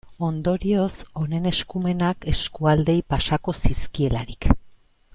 Ondorioz, honen eskumenak eskualdeei pasako zizkielarik.